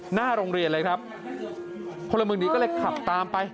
หน้าโรงเรียนเลยครับพลเมืองดีก็เลยขับตามไป